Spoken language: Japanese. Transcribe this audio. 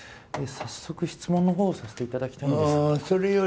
ピッえぇ早速質問のほうをさせていただきたいんですが。